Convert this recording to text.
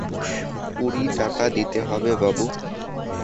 কুড়ি টাকা দিতে হবে বাবু।